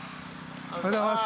おはようございます。